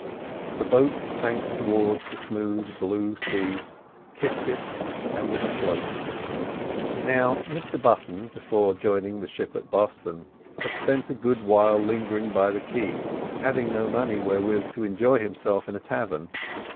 The boat sank towards the smooth blue sea, kissed it and was afloat. Now Mr Button, before joining the ship at Boston, had spent a good while lingering by the quay, having no money wherewith to enjoy himself in a tavern.